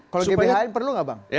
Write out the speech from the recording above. kalau gbhn perlu nggak bang